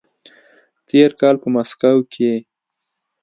تېر کال په مسکو کې